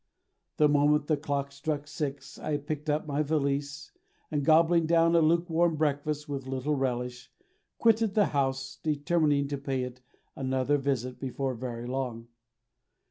The moment the clock struck six I picked up my valise, and gobbling down a lukewarm breakfast with little relish, quitted the house, determining to pay it another visit before very long.